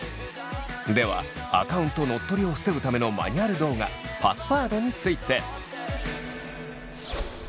ではアカウントのっとりを防ぐためのマニュアル動画パスワードについて！